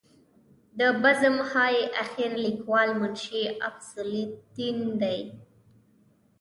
د بزم های اخیر لیکوال منشي فضل الدین دی.